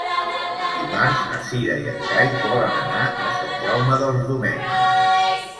Dimarts na Cira i en Cai volen anar a Sant Jaume dels Domenys.